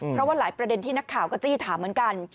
เพราะว่าหลายประเด็นที่นักข่าวก็จี้ถามเหมือนกัน